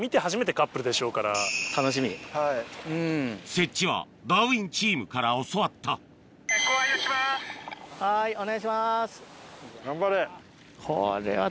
設置は『ダーウィン』チームから教わったはいお願いします。